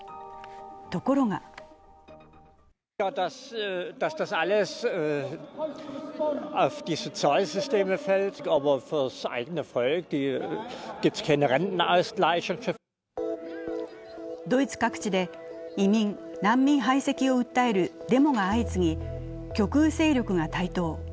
ところがドイツ各地で移民・難民排斥を訴えるデモが相次ぎ、極右勢力が台頭。